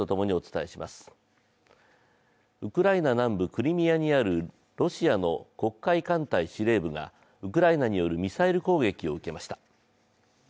ウクライナ南部クリミアにあるロシアの黒海艦隊司令部がウクライナによるミサイル攻撃を受けました。